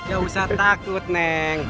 ya usah takut neng